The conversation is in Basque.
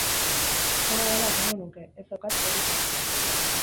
Sena dela esango nuke, ez daukat teorizatuta.